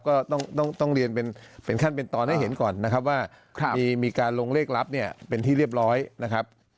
ก็ต้องเรียนเป็นขั้นเป็นตอนให้เห็นก่อนนะครับว่ามีการลงเลขลับเนี่ยเป็นที่เรียบร้อยนะครับ